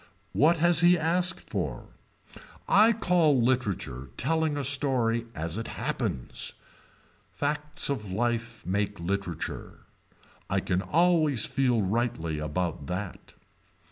What has he asked for. I call literature telling a story as it happens. Facts of life make literature. I can always feel rightly about that.